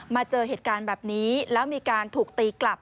เจอเหตุการณ์แบบนี้แล้วมีการถูกตีกลับ